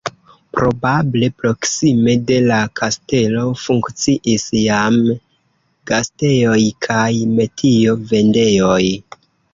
Probable proksime de la kastelo funkciis jam gastejoj kaj metio-vendejoj.